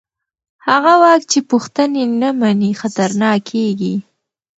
هغه واک چې پوښتنې نه مني خطرناک کېږي